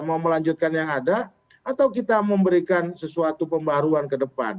mau melanjutkan yang ada atau kita memberikan sesuatu pembaruan ke depan